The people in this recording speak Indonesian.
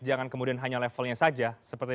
jangan kemudian hanya levelnya saja seperti